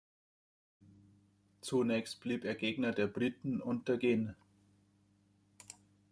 Zunächst blieb er Gegner der Briten unter Gen.